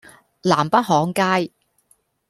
南北行街